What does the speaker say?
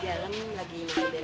itu itu pak haji